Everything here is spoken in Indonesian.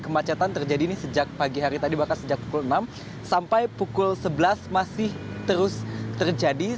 kemacetan terjadi ini sejak pagi hari tadi bahkan sejak pukul enam sampai pukul sebelas masih terus terjadi